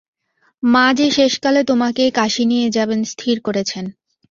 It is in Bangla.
মা যে শেষকালে তোমাকেই কাশী নিয়ে যাবেন স্থির করেছেন।